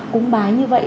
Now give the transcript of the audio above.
cúng bái như vậy